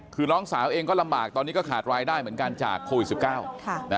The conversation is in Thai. คือน้องสาวเองก็ลำบากตอนนี้ก็ขาดรายได้เหมือนกันจากโควิด๑๙